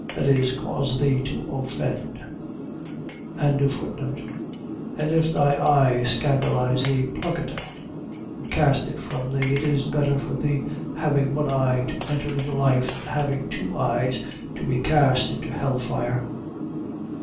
. .That is, cause thee to offend. 18:9. And if thy eye scandalize thee, pluck it out, and cast it from thee. It is better for thee having one eye to enter into life, than having two eyes to be cast into hell fire.